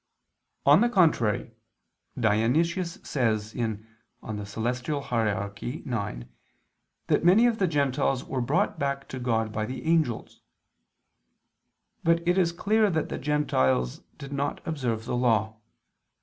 On the contrary, Dionysius says (Coel. Hier. ix) that many of the Gentiles were brought back to God by the angels. But it is clear that the Gentiles did not observe the Law.